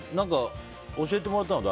教えてもらったの？